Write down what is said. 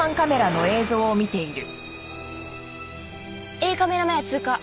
Ａカメラ前通過。